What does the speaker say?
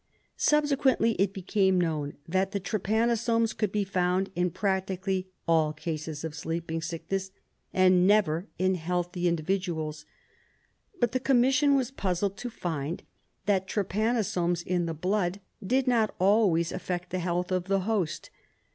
Subsequently it became known that the trypanosomes could be found in practically all cases of sleeping sickness, and never in healthy individuals. But the Commission was puzzled to find that trypanosomes in the blood did not always affect the health of the host.